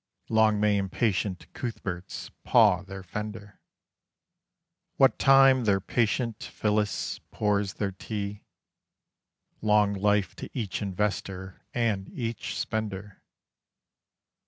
Long may impatient Cuthberts paw their fender, What time their patient Phyllis pours their tea! Long life to each investor and each spender!